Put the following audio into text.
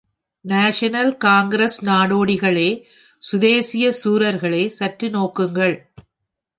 National congress நாடோடிகளே, சுதேசிய சூரர்களே, சற்று நோக்குங்கள்.